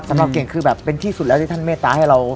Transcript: สำหรับเก่งคือเป็นที่สุดแล้วที่ท่านเมตตา